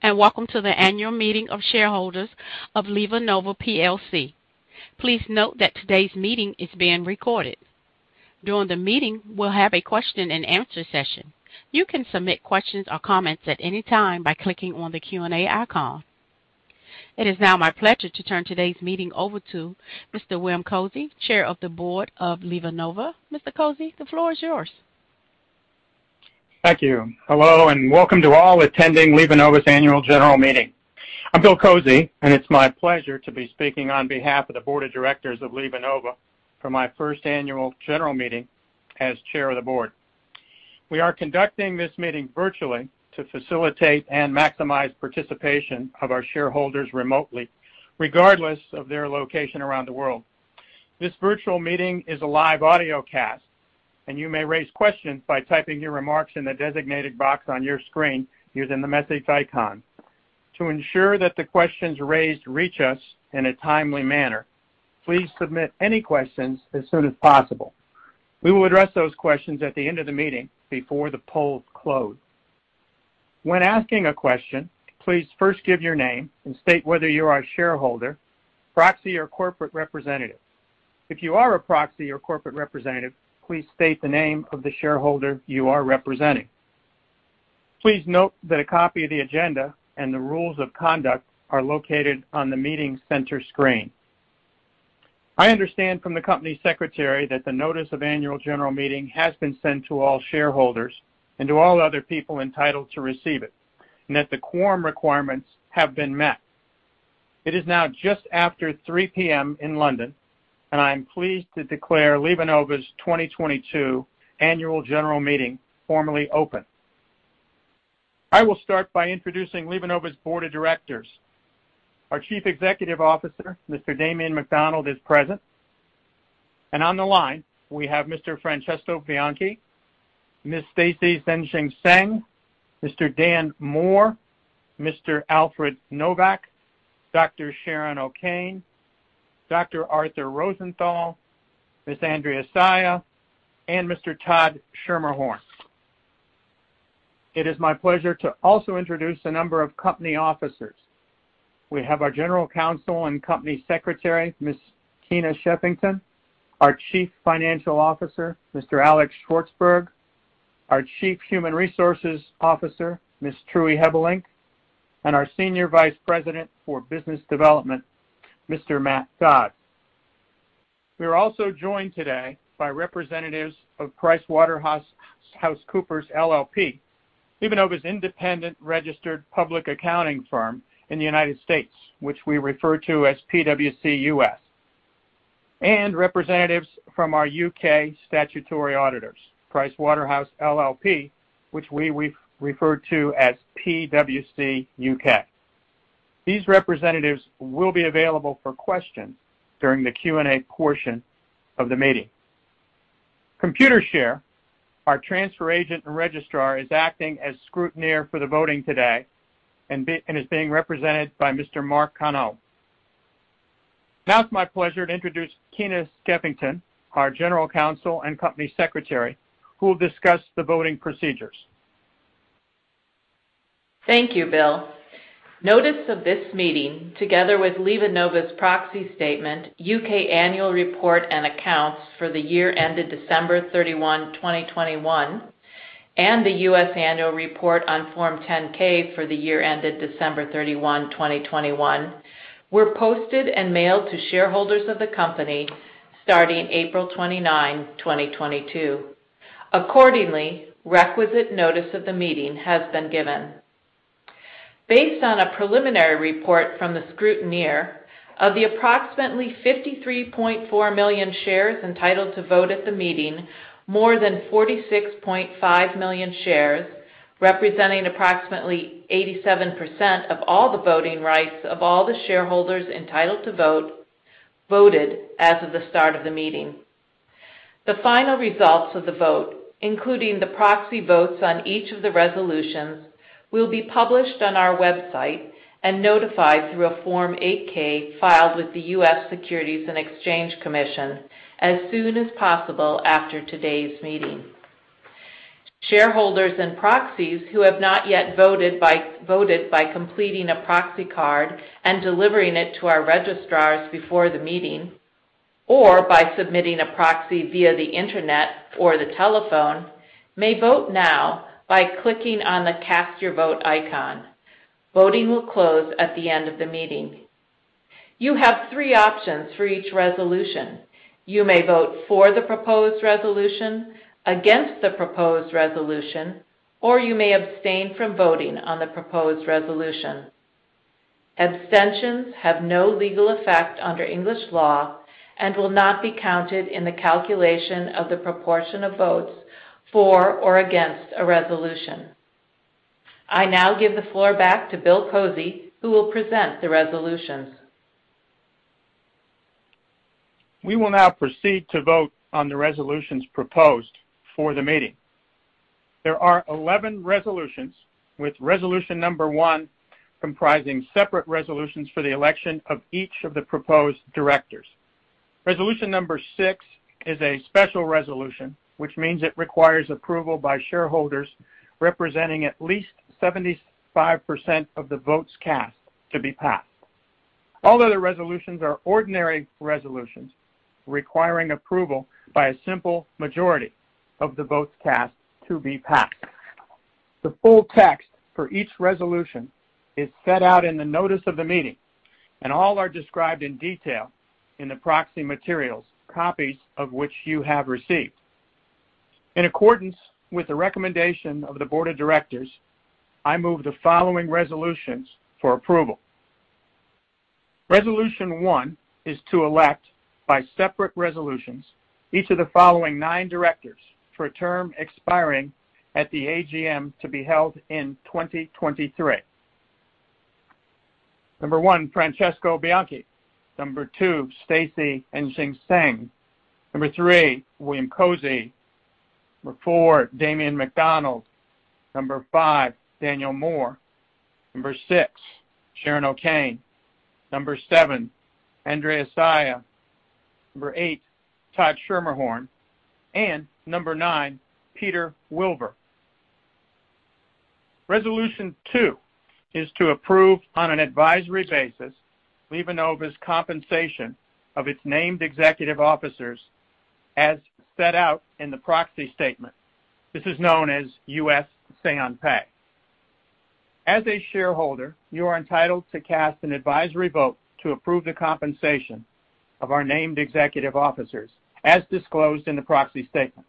Hello, and welcome to the annual meeting of shareholders of LivaNova PLC. Please note that today's meeting is being recorded. During the meeting, we'll have a question and answer session. You can submit questions or comments at any time by clicking on the Q&A icon. It is now my pleasure to turn today's meeting over to Mr. William Kozy, Chair of the Board of LivaNova. Mr. William Kozy, the floor is yours. Thank you. Hello, and welcome to all attending LivaNova's annual general meeting. I'm William Kozy, and it's my pleasure to be speaking on behalf of the board of directors of LivaNova for my first annual general meeting as chair of the board. We are conducting this meeting virtually to facilitate and maximize participation of our shareholders remotely, regardless of their location around the world. This virtual meeting is a live audio cast, and you may raise questions by typing your remarks in the designated box on your screen using the message icon. To ensure that the questions raised reach us in a timely manner, please submit any questions as soon as possible. We will address those questions at the end of the meeting before the polls close. When asking a question, please first give your name and state whether you are a shareholder, proxy, or corporate representative. If you are a proxy or corporate representative, please state the name of the shareholder you are representing. Please note that a copy of the agenda and the rules of conduct are located on the meeting center screen. I understand from the company secretary that the notice of annual general meeting has been sent to all shareholders and to all other people entitled to receive it, and that the quorum requirements have been met. It is now just after 3:00 P.M. in London, and I am pleased to declare LivaNova's 2022 annual general meeting formally open. I will start by introducing LivaNova's board of directors. Our Chief Executive Officer, Mr. Damien McDonald, is present. On the line, we have Mr. Francesco Bianchi, Ms. Stacy Enxing Sheng, Mr. Daniel Moore, Mr. Al Novak, Dr. Sharon O'Kane, Dr. Arthur L. Rosenthal, Ms. Andrea L. Saia, and Mr. Todd Schermerhorn. It is my pleasure to also introduce a number of company officers. We have our General Counsel and Company Secretary, Ms. Keyna Skeffington, our Chief Financial Officer, Mr. Alex Shvartsburg, our Chief Human Resources Officer, Ms. Truie Hebelink, and our Senior Vice President for Business Development, Mr. Matthew Dodds. We are also joined today by representatives of PricewaterhouseCoopers LLP, LivaNova's independent registered public accounting firm in the United States, which we refer to as PwC US, and representatives from our UK statutory auditors, PricewaterhouseCoopers LLP, which we refer to as PwC UK. These representatives will be available for questions during the Q&A portion of the meeting. Computershare, our transfer agent and registrar, is acting as scrutineer for the voting today and is being represented by Mr. Mark Connaugh. Now it's my pleasure to introduce Keyna Skeffington, our General Counsel and Company Secretary, who will discuss the voting procedures. Thank you, Bill. Notice of this meeting, together with LivaNova's proxy statement, U.K. annual report and accounts for the year ended December 31, 2021, and the U.S. annual report on Form 10-K for the year ended December 31, 2021, were posted and mailed to shareholders of the company starting April 29, 2022. Accordingly, requisite notice of the meeting has been given. Based on a preliminary report from the scrutineer, of the approximately 53.4 million shares entitled to vote at the meeting, more than 46.5 million shares, representing approximately 87% of all the voting rights of all the shareholders entitled to vote, voted as of the start of the meeting. The final results of the vote, including the proxy votes on each of the resolutions, will be published on our website and notified through a Form 8-K filed with the U.S. Securities and Exchange Commission as soon as possible after today's meeting. Shareholders and proxies who have not yet voted by completing a proxy card and delivering it to our registrars before the meeting or by submitting a proxy via the Internet or the telephone may vote now by clicking on the Cast Your Vote icon. Voting will close at the end of the meeting. You have three options for each resolution. You may vote for the proposed resolution, against the proposed resolution, or you may abstain from voting on the proposed resolution. Abstentions have no legal effect under English law and will not be counted in the calculation of the proportion of votes for or against a resolution. I now give the floor back to William Kozy, who will present the resolutions. We will now proceed to vote on the resolutions proposed for the meeting. There are 11 resolutions, with resolution number one comprising separate resolutions for the election of each of the proposed directors. Resolution number six is a special resolution, which means it requires approval by shareholders representing at least 75% of the votes cast to be passed. All other resolutions are ordinary resolutions requiring approval by a simple majority of the votes cast to be passed. The full text for each resolution is set out in the notice of the meeting, and all are described in detail in the proxy materials, copies of which you have received. In accordance with the recommendation of the board of directors, I move the following resolutions for approval. Resolution one is to elect, by separate resolutions, each of the following nine directors for a term expiring at the AGM to be held in 2023. Number one, Francesco Bianchi. Number two, Stacy Enxing Sheng. Number three, William Kozy. Number four, Damien McDonald. Number five, Daniel Moore. Number six, Sharon O'Kane. Number seven, Andrea L. Saia. Number eight, Todd Schermerhorn. Number nine, Peter Wilver. Resolution two is to approve, on an advisory basis, LivaNova's compensation of its named executive officers as set out in the proxy statement. This is known as U.S. Say-on-Pay. As a shareholder, you are entitled to cast an advisory vote to approve the compensation of our named executive officers as disclosed in the proxy statement.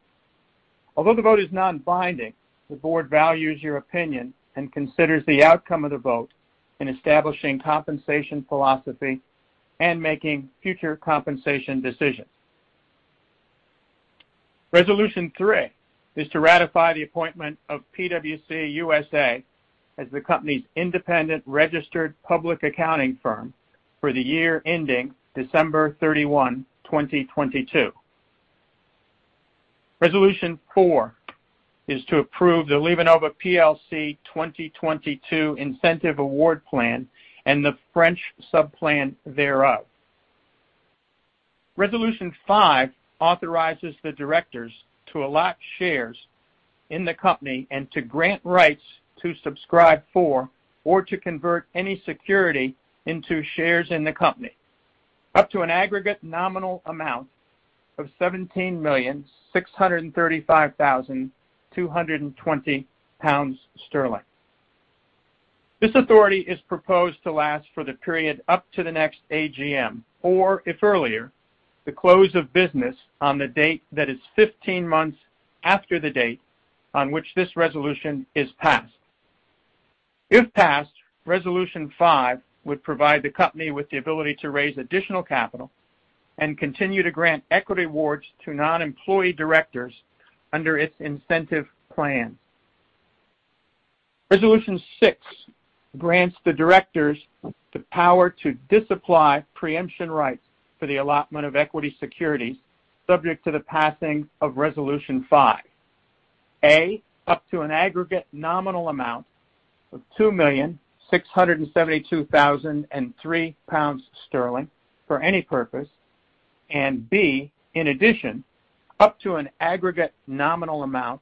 Although the vote is non-binding, the board values your opinion and considers the outcome of the vote in establishing compensation philosophy and making future compensation decisions. Resolution three is to ratify the appointment of PwC U.S. as the company's independent registered public accounting firm for the year ending December 31, 2022. Resolution four is to approve the LivaNova PLC 2022 Incentive Award Plan and the French sub-plan thereof. Resolution five authorizes the directors to allot shares in the company and to grant rights to subscribe for or to convert any security into shares in the company up to an aggregate nominal amount of 17,635,220 sterling. This authority is proposed to last for the period up to the next AGM, or if earlier, the close of business on the date that is 15 months after the date on which this resolution is passed. If passed, resolution five would provide the company with the ability to raise additional capital and continue to grant equity awards to non-employee directors under its incentive plan. Resolution six grants the directors the power to disapply preemption rights for the allotment of equity securities subject to the passing of resolution five. A, up to an aggregate nominal amount of 2,672,003 pounds sterling for any purpose. B, in addition, up to an aggregate nominal amount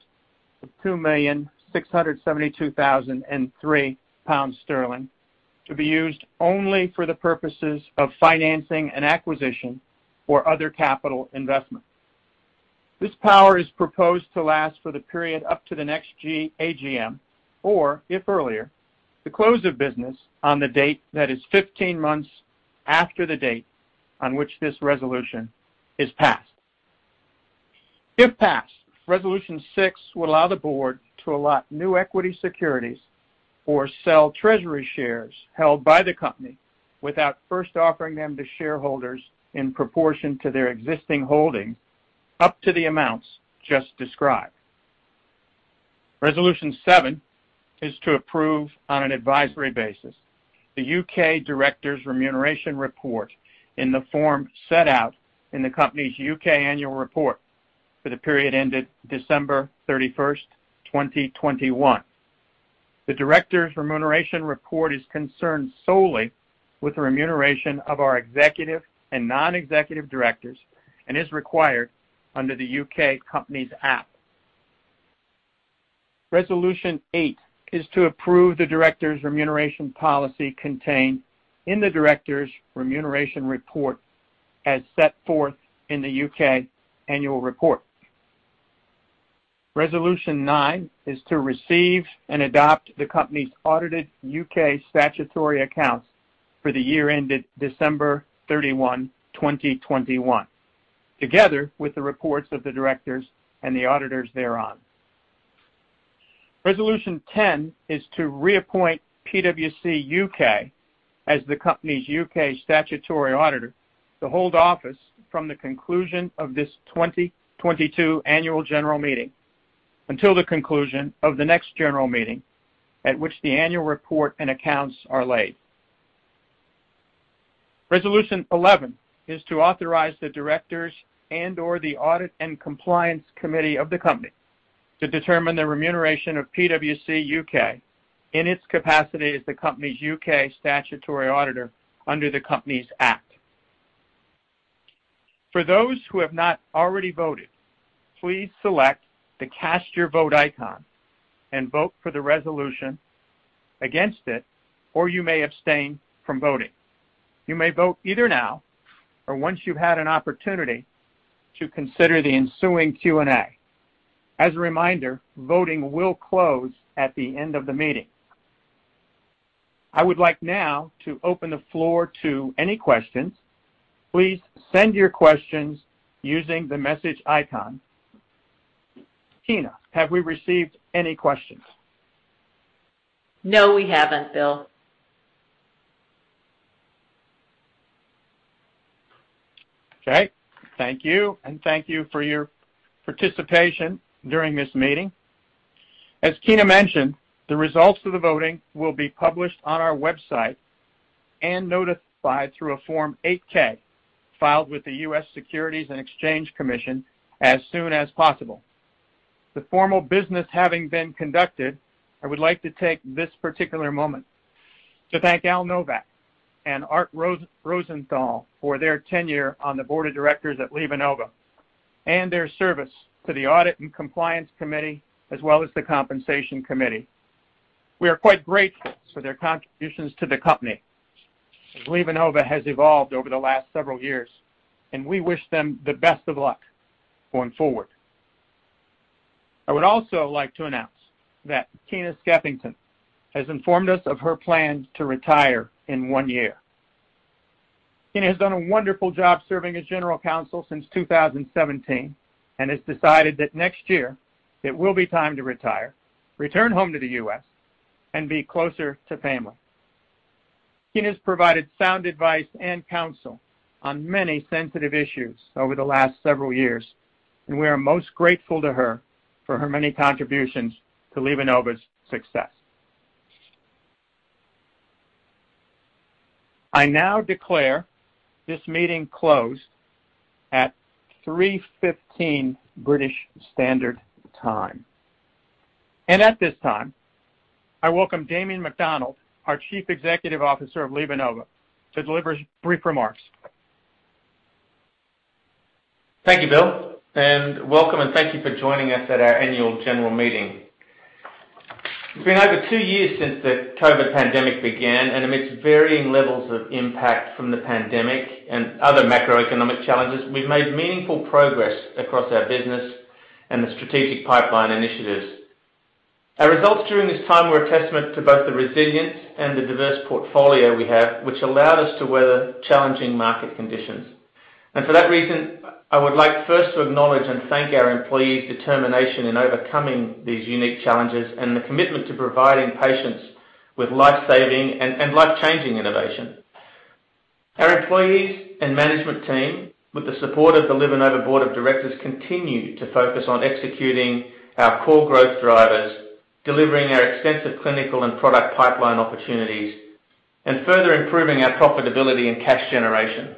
of 2,672,003 pounds sterling to be used only for the purposes of financing an acquisition or other capital investment. This power is proposed to last for the period up to the next AGM, or if earlier, the close of business on the date that is 15 months after the date on which this resolution is passed. If passed, resolution six will allow the board to allot new equity securities or sell treasury shares held by the company without first offering them to shareholders in proportion to their existing holding up to the amounts just described. Resolution seven is to approve on an advisory basis the U.K. directors' remuneration report in the form set out in the company's U.K. annual report for the period ended December 31st, 2021. The directors' remuneration report is concerned solely with the remuneration of our executive and non-executive directors and is required under the U.K. Companies Act. Resolution eight is to approve the directors' remuneration policy contained in the directors' remuneration report as set forth in the U.K. annual report. Resolution nine is to receive and adopt the company's audited U.K. statutory accounts for the year ended December 31, 2021, together with the reports of the directors and the auditors thereon. Resolution 10 is to reappoint PwC U.K. as the company's U.K. statutory auditor to hold office from the conclusion of this 2022 annual general meeting until the conclusion of the next general meeting at which the annual report and accounts are laid. Resolution 11 is to authorize the directors and/or the audit and compliance committee of the company to determine the remuneration of PwC U.K. in its capacity as the company's U.K. statutory auditor under the Companies Act. For those who have not already voted, please select the Cast Your Vote icon and vote for the resolution, against it, or you may abstain from voting. You may vote either now or once you've had an opportunity to consider the ensuing Q&A. As a reminder, voting will close at the end of the meeting. I would like now to open the floor to any questions. Please send your questions using the Message icon. Keyna, have we received any questions? No, we haven't, Bill. Okay. Thank you, and thank you for your participation during this meeting. As Keyna mentioned, the results of the voting will be published on our website and notified through a Form 8-K filed with the U.S. Securities and Exchange Commission as soon as possible. The formal business having been conducted, I would like to take this particular moment to thank Al Novak and Art Rosenthal for their tenure on the board of directors at LivaNova and their service to the Audit and Compliance Committee, as well as the Compensation Committee. We are quite grateful for their contributions to the company, as LivaNova has evolved over the last several years, and we wish them the best of luck going forward. I would also like to announce that Keyna Skeffington has informed us of her plan to retire in one year. Keyna has done a wonderful job serving as general counsel since 2017 and has decided that next year it will be time to retire, return home to the U.S., and be closer to family. Keyna has provided sound advice and counsel on many sensitive issues over the last several years, and we are most grateful to her for her many contributions to LivaNova's success. I now declare this meeting closed at 3:15 P.M. British Summer Time. At this time, I welcome Damien McDonald, our Chief Executive Officer of LivaNova, to deliver his brief remarks. Thank you, Bill, and welcome and thank you for joining us at our annual general meeting. It's been over two years since the COVID pandemic began, and amidst varying levels of impact from the pandemic and other macroeconomic challenges, we've made meaningful progress across our business and the strategic pipeline initiatives. Our results during this time were a testament to both the resilience and the diverse portfolio we have, which allowed us to weather challenging market conditions. For that reason, I would like first to acknowledge and thank our employees' determination in overcoming these unique challenges and the commitment to providing patients with life-saving and life-changing innovation. Our employees and management team, with the support of the LivaNova board of directors, continue to focus on executing our core growth drivers, delivering our extensive clinical and product pipeline opportunities, and further improving our profitability and cash generation.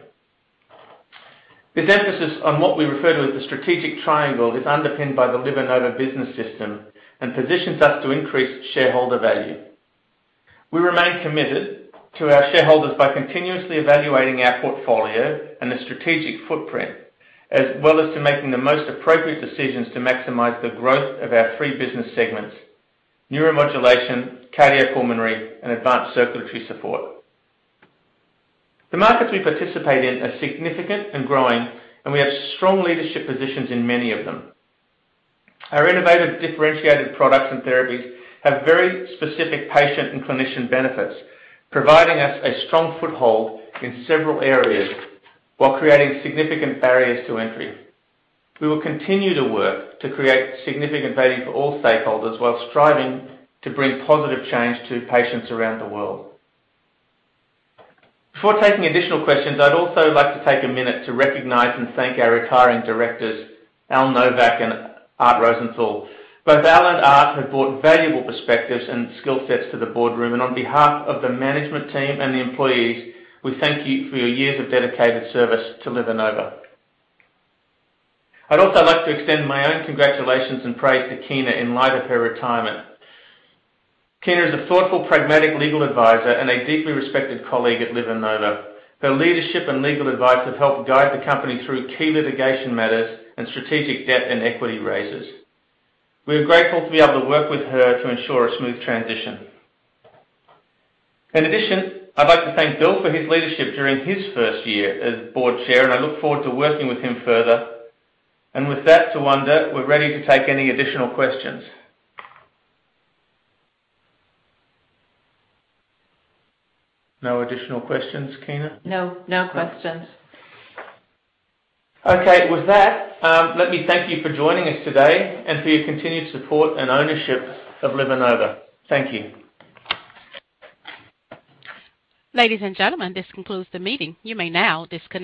This emphasis on what we refer to as the Strategic Triangle is underpinned by the LivaNova Business System and positions us to increase shareholder value. We remain committed to our shareholders by continuously evaluating our portfolio and the strategic footprint, as well as to making the most appropriate decisions to maximize the growth of our three business segments: Neuromodulation, Cardiopulmonary, and Advanced Circulatory Support. The markets we participate in are significant and growing, and we have strong leadership positions in many of them. Our innovative, differentiated products and therapies have very specific patient and clinician benefits, providing us a strong foothold in several areas while creating significant barriers to entry. We will continue to work to create significant value for all stakeholders while striving to bring positive change to patients around the world. Before taking additional questions, I'd also like to take a minute to recognize and thank our retiring directors, Al Novak and Art Rosenthal. Both Al and Art have brought valuable perspectives and skill sets to the boardroom, and on behalf of the management team and the employees, we thank you for your years of dedicated service to LivaNova. I'd also like to extend my own congratulations and praise to Keyna in light of her retirement. Keyna is a thoughtful, pragmatic legal advisor and a deeply respected colleague at LivaNova. Her leadership and legal advice have helped guide the company through key litigation matters and strategic debt and equity raises. We are grateful to be able to work with her to ensure a smooth transition. In addition, I'd like to thank Bill for his leadership during his first year as board chair, and I look forward to working with him further. With that, Tawanda, we're ready to take any additional questions. No additional questions, Keyna? No. No questions. Okay. With that, let me thank you for joining us today and for your continued support and ownership of LivaNova. Thank you. Ladies and gentlemen, this concludes the meeting. You may now disconnect.